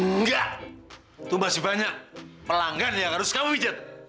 enggak itu masih banyak pelanggan yang harus kamu pijat